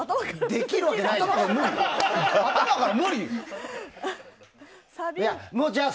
できるわけないじゃん！